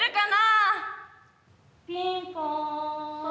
ピンポン。